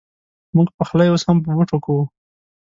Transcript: مونږ پخلی اوس هم په بوټو کوو